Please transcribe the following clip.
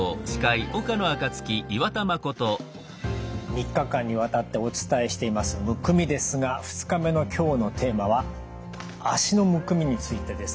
３日間にわたってお伝えしています「むくみ」ですが２日目の今日のテーマは脚のむくみについてです。